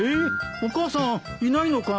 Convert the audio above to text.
お母さんいないのかい？